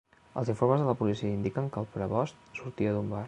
Els informes de la policia indiquen que el Prebost sortia d'un bar.